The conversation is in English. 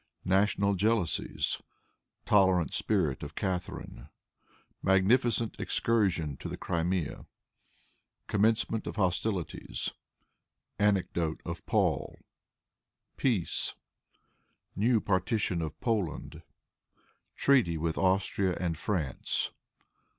National Jealousies. Tolerant Spirit of Catharine. Magnificent Excursion to the Crimea. Commencement of Hostilities. Anecdote of Paul. Peace. New Partition of Poland. Treaty with Austria and France.